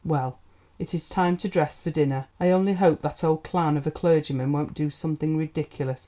Well, it is time to dress for dinner. I only hope that old clown of a clergyman won't do something ridiculous.